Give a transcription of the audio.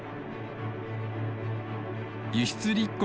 輸出立国